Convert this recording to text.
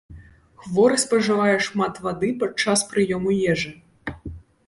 Хворы спажывае шмат вады падчас прыёму ежы.